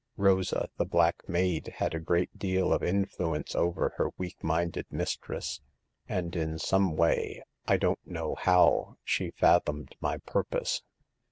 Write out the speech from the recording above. Rosa, the black maid, had a great deal of in fluence over her weak minded mistress, and in some way — I don*t know how— she fathomed my purpose.